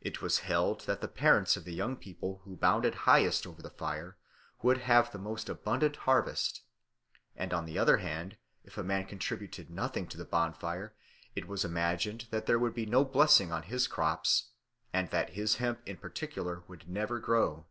It was held that the parents of the young people who bounded highest over the fire would have the most abundant harvest; and on the other hand, if a man contributed nothing to the bonfire, it was imagined that there would be no blessing on his crops, and that his hemp in particular would never grow.